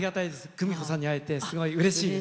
クミコさんに会えてすごいうれしいです。